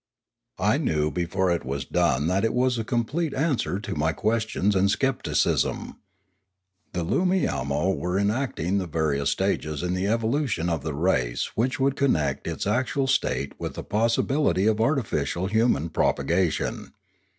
I knew before it was done that it was a complete answer to my questions and scepticism. The Loomiamo were enacting the various stages in the evolution of the race which would connect its actual state with the possibility of artificial human propagation.